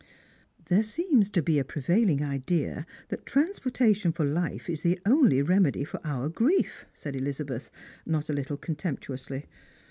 " There seems to be a prevailing idea that transportation for life is the only remedy for our grief," said Elizabeth, not a little contemptuously.